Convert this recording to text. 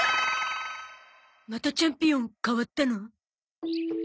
またチャンピオン変わったの？